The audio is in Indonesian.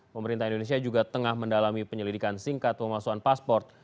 pemerintah indonesia juga tengah mendalami penyelidikan singkat pemalsuan pasport